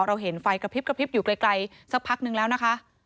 เราเห็นไฟกระพริบอยู่ไกลสักพักนึงแล้วนะคะ